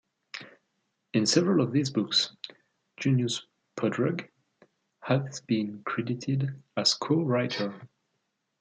In several of these books, Junius Podrug has been credited as co-writer.